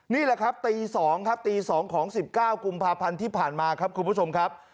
นี่แหละครับตี๒ครับตี๒ของ๑๙กุมภาพันธ์ที่ผ่านมาครับคุณผู้ชมครับ